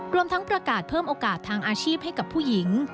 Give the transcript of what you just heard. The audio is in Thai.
รวมทั้งประกาศเพิ่มโอกาสทางอาชีพให้กับผู้หญิง